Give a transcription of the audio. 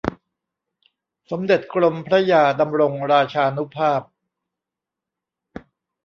สมเด็จกรมพระยาดำรงราชานุภาพ